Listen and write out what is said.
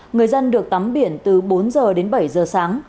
người dân được tắm biển từ bốn giờ đến bảy giờ sáng